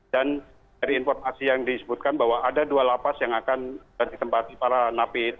dan dari informasi yang disebutkan bahwa ada dua lapas yang akan ditempatkan